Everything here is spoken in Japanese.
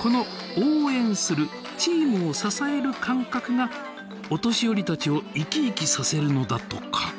この応援するチームを「支える」感覚がお年寄りたちをイキイキさせるのだとか。